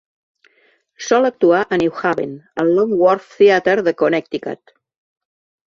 Sol actuar a New Haven, al Long Wharf Theatre de Connecticut.